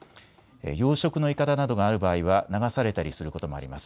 養殖のいかだなどがある場合は流されたりすることもあります。